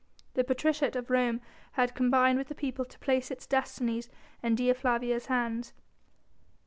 The patriciate of Rome had combined with the people to place its destinies in Dea Flavia's hands.